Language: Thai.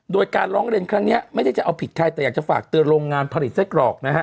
โดยการร้องเรียนครั้งนี้ไม่ได้จะเอาผิดใครแต่อยากจะฝากเตือนโรงงานผลิตไส้กรอกนะฮะ